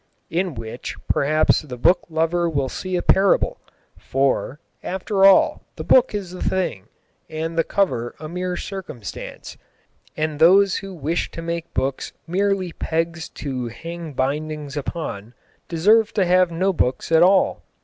In which, perhaps, the book lover will see a parable. For, after all, the book is the thing, and the cover a mere circumstance, and those who wish to make books merely pegs to hang bindings upon deserve to have no books at all.